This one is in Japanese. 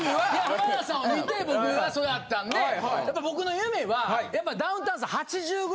浜田さんを見て僕は育ったんでやっぱ僕の夢はやっぱダウンタウンさん。